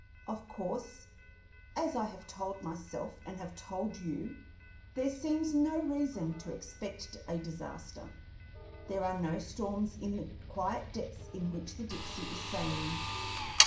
Of course, as I have told myself and have told you, there seems no reason to expect a disaster. There are no storms in the quiet depths in which the Dipsey is sailing.